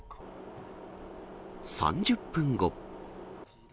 ３０分後。